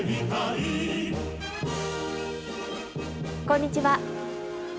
こんにちは。